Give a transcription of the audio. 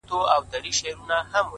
شېرينې ستا د مينې زور ته احترام کومه-